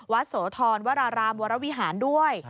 โสธรวรารามวรวิหารด้วย